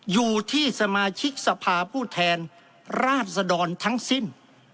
อยู่ที่สมาชิกสภาผู้แทนราชดรทั้งสิ้น